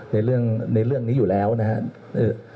ในเรื่องในเรื่องนี้อยู่แล้วนะครับ